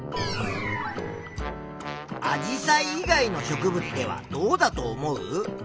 アジサイ以外の植物ではどうだと思う？